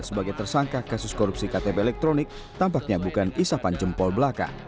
sebagai tersangka kasus korupsi ktp elektronik tampaknya bukan isapan jempol belaka